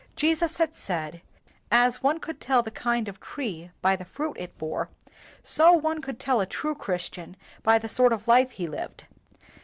Jesus had said, as one could tell the kind of tree by the fruit it bore, so one could tell a true Christian by the sort of life he lived.